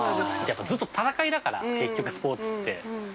◆やっぱずっと戦いだから、結局スポーツって。